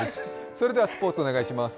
それでは、スポーツお願いします。